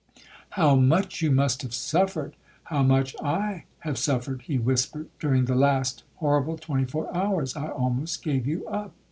'How much you must have suffered,—how much I have suffered,' he whispered; 'during the last horrible twenty four hours, I almost gave you up.